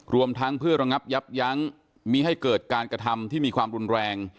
รวมทั้งเพื่อระงับยับยั้งมีให้เกิดการกระทำที่มีความรุนแรง